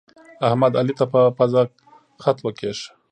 احمد، علي ته په پزه خط وکيښ.